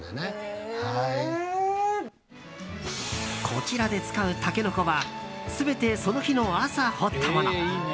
こちらで使うタケノコは全てその日の朝掘ったもの。